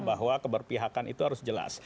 bahwa keberpihakan itu harus jelas